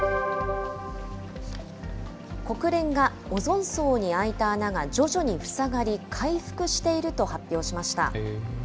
国連がオゾン層に開いた穴が徐々に塞がり、回復していると発表しました。